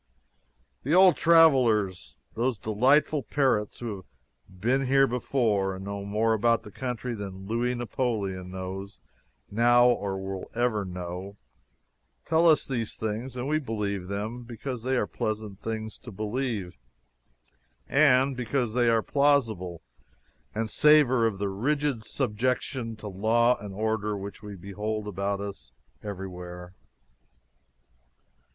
The Old Travelers those delightful parrots who have "been here before" and know more about the country than Louis Napoleon knows now or ever will know tell us these things, and we believe them because they are pleasant things to believe and because they are plausible and savor of the rigid subjection to law and order which we behold about us everywhere.